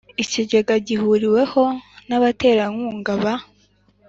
Ikigega gihuriweho n abaterankunga ba